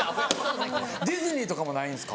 ディズニーとかもないんですか？